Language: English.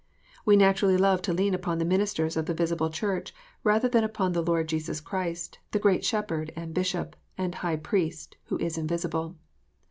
We naturally love to lean upon the ministers of the visible Church, rather than upon the Lord Jesus Christ, the great Shepherd, and Bishop, and High Priest, who is invisible.